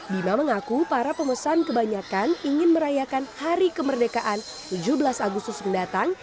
bima mengaku para pemesan kebanyakan ingin merayakan hari kemerdekaan tujuh belas agustus mendatang